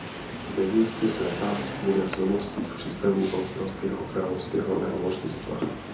Ve městě se nachází jeden z domovských přístavů australského královského námořnictva.